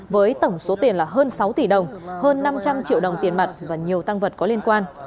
với tổng số tiền là hơn sáu tỷ đồng hơn năm trăm linh triệu đồng tiền mặt và nhiều tăng vật có liên quan